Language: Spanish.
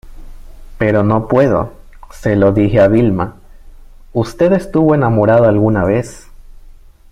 pero no puedo. se lo dije a Vilma .¿ usted estuvo enamorado alguna vez?